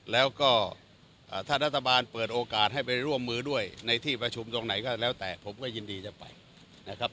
แล้วก็ถ้ารัฐบาลเปิดโอกาสให้ไปร่วมมือด้วยในที่ประชุมตรงไหนก็แล้วแต่ผมก็ยินดีจะไปนะครับ